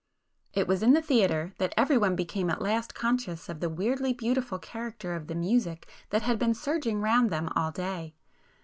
It was in the theatre that everyone became at last conscious of the weirdly beautiful character of the music that had been surging round them all day.